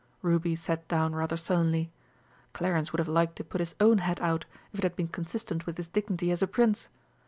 Ruby sat down rather sullenly. Clarence would have liked to put his own head out if it had been consistent with his dignity as a Prince.